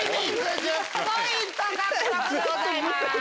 １０ポイント獲得でございます。